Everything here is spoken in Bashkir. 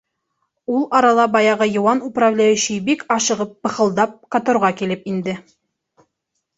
Ул арала баяғы йыуан управляющий бик ашығып, пыхылдап которға килеп инде.